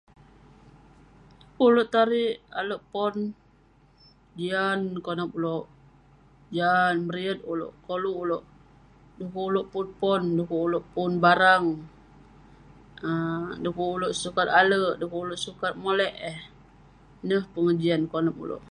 Pun ulouk tarik alek pon, jian konep ulouk ,jian, meriyet ulouk, koluk ulouk, du'kuk ulouk pun pon, du'kuk ulouk pun barang..[um] du'kuk ulouk sukat alek, du'kuk ulouk sukat molek eh..ineh pengejian konep ulouk